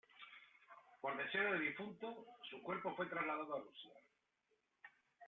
Por deseo del difunto, su cuerpo fue trasladado a Rusia.